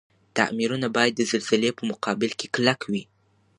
تعميرونه باید د زلزلي په مقابل کي کلک وی.